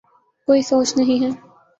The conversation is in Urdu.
کوئی سوچ نہیں ہے۔